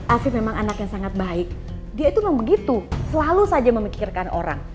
afif memang anak yang sangat baik dia itu memang begitu selalu saja memikirkan orang